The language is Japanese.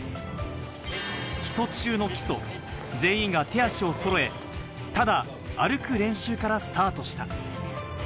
基礎中の基礎、全員が手足をそろえ、ただ歩く練習からスタートした。